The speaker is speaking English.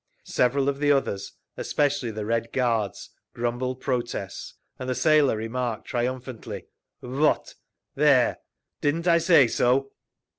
Several of the others, especially the Red Guards, grumbled protests, and the sailor remarked triumphantly, "Vot! There! Didn't I say so?"